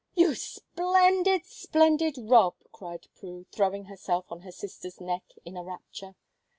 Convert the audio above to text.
"You splendid, splendid Rob!" cried Prue, throwing herself on her sister's neck in a rapture.